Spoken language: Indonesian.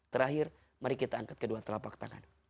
terakhir mari kita angkat kedua telapak tangan